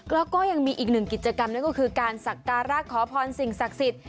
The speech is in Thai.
แล้วก็ยังมีอีกหนึ่งกิจกรรมนั่นก็คือการสักการะขอพรสิ่งศักดิ์สิทธิ